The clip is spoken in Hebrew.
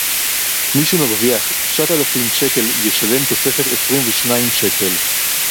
מי שמרוויח תשעת אלפים שקל ישלם תוספת עשרים ושניים שקל